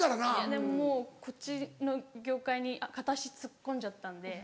でももうこっちの業界に片足突っ込んじゃったんで。